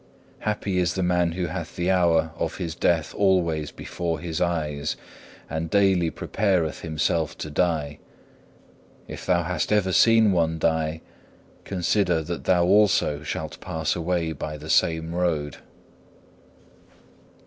Happy is the man who hath the hour of his death always before his eyes, and daily prepareth himself to die. If thou hast ever seen one die, consider that thou also shalt pass away by the same road.